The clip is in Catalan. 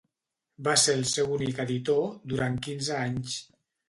Va ser el seu únic editor durant quinze anys.